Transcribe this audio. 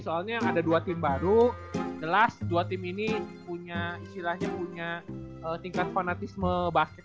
soalnya yang ada dua tim baru jelas dua tim ini punya istilahnya punya tingkat fanatisme basket